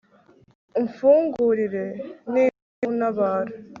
umfungurire; nimbura untabara